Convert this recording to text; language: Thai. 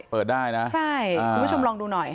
เปิดได้นะใช่คุณผู้ชมลองดูหน่อย